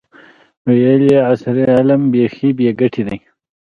ویل یې عصري علم بیخي بې ګټې دی.